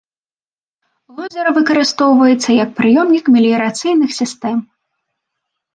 Возера выкарыстоўваецца як прыёмнік меліярацыйных сістэм.